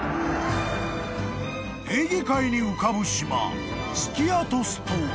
［エーゲ海に浮かぶ島］